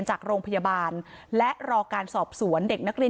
เชิงชู้สาวกับผอโรงเรียนคนนี้